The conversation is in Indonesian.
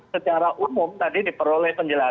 secara umum tadi diperoleh penjelasan